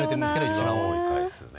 一番多い回数ね。